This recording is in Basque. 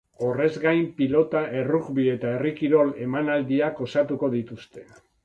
Horrez gain, pilota, errugbi eta herri kirol emanaldiak osatuko dituzte.